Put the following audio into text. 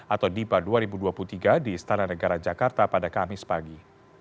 atau dipa dua ribu dua puluh tiga di istana negara jakarta pada kamis pagi